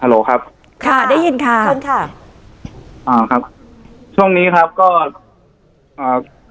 โหลครับค่ะได้ยินค่ะเชิญค่ะอ่าครับช่วงนี้ครับก็อ่า